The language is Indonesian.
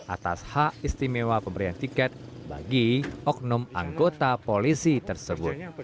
atas hak istimewa pemberian tiket bagi oknum anggota polisi tersebut